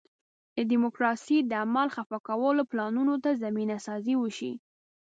د ډیموکراسۍ د عمل خفه کولو پلانونو ته زمینه سازي وشي.